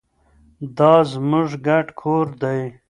دا زموږ ګډ کور دی.